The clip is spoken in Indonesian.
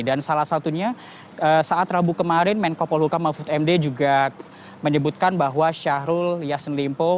dan salah satunya saat rabu kemarin menko polhuka mahfud md juga menyebutkan bahwa syahrul yasin limpo